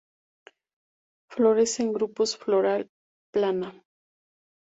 Florece en grupos, flora plana.